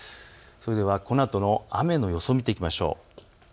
ではこのあとの雨の予想を見ていきましょう。